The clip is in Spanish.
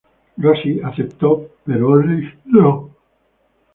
Rossi aceptó pero Orlich no.